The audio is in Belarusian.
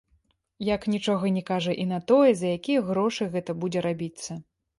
Як нічога не кажа і на тое, за якія грошы гэты будзе рабіцца.